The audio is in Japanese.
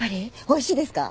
おいしいですか？